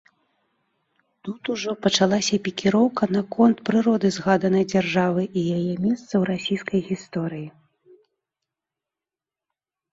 Тут ужо пачалася пікіроўка наконт прыроды згаданай дзяржавы і яе месца ў расійскай гісторыі.